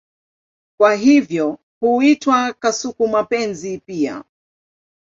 Kwa hivyo huitwa kasuku-mapenzi pia.